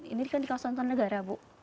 ini kan di kawasan tanah negara bu